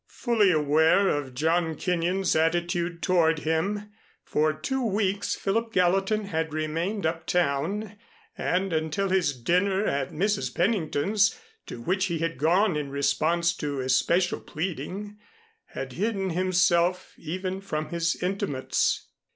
Fully aware of John Kenyon's attitude toward him, for two weeks Philip Gallatin had remained uptown and, until his dinner at Mrs. Pennington's, to which he had gone in response to especial pleading, had hidden himself even from his intimates.